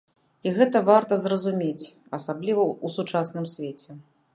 І гэта варта зразумець, асабліва ў сучасным свеце.